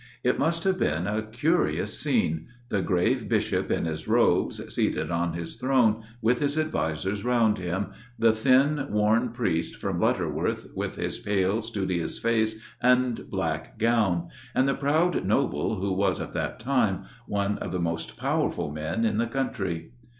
It must have been a curious scene the grave Bishop in his robes, seated on his throne, with his advisers round him; the thin, worn priest from Lutterworth, with his pale, studious face and black gown; and the proud Noble, who was, at that time, one of the most powerful men in the country.